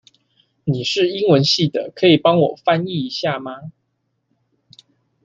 你是英文系的，可以幫我翻譯一下嗎？